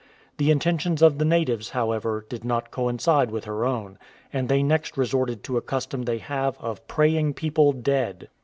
The intentions of the natives, however, did not coincide with her own, and they next resorted to a custom they have of "praying people dead."